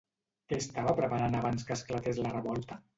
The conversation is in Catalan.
Què estava preparant abans que esclatés la revolta?